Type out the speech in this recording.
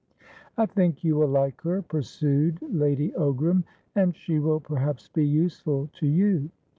"I think you will like her," pursued Lady Ogram, "and she will perhaps be useful to you.